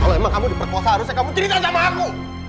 kalau emang kamu diperkosa harusnya kamu cerita sama aku